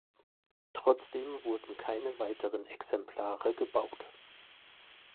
Trotzdem wurden keine weiteren Exemplare gebaut.